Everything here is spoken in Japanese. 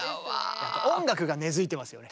音楽が根づいてますよね。